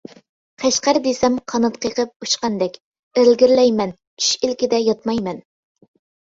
«قەشقەر» دېسەم، قانات قېقىپ ئۇچقاندەك، ئىلگىرىلەيمەن، چۈش ئىلكىدە ياتمايمەن.